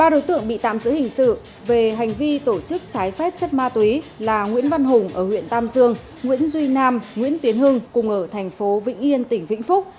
ba đối tượng bị tạm giữ hình sự về hành vi tổ chức trái phép chất ma túy là nguyễn văn hùng ở huyện tam dương nguyễn duy nam nguyễn tiến hưng cùng ở thành phố vĩnh yên tỉnh vĩnh phúc